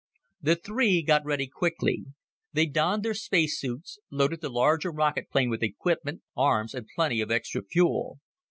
The three got ready quickly. They donned their space suits, loaded the larger rocket plane with equipment, arms, and plenty of extra fuel.